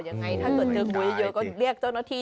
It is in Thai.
อย่างไรถ้าเกิดเจอกุยเยอะก็เรียกเจ้าหน้าที่